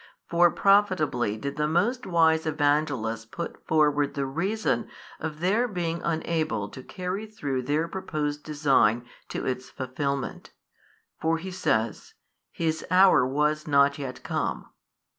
For profitably did the most wise Evangelist put forward the reason of their being unable to carry through their proposed design to its fulfilment (for says he, His hour was not yet come).